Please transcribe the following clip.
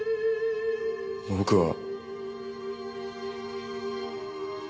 僕は。